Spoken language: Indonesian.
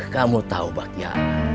kamu tahu pak ya